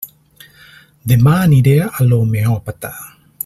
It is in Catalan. Demà aniré a l'homeòpata.